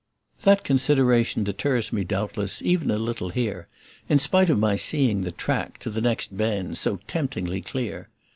That consideration deters me doubtless even a little here in spite of my seeing the track, to the next bend, so temptingly clear.